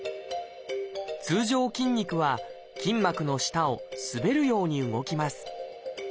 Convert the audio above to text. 通常筋肉は筋膜の下を滑るように動きます。